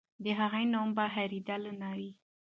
د هغې نوم به هېرېدلی نه وي.